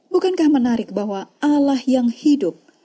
bukankah menarik bahwa allah yang hidup